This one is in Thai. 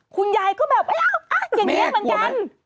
คุณยายก็แบบอ้าวอ้าวอย่างนี้เหมือนกัน